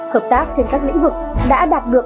hợp tác trên các lĩnh vực đã đạt được